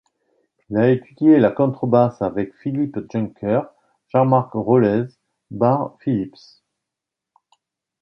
Il a étudié la contrebasse avec Philippe Juncker, Jean-Marc Rollez, Barre Phillips.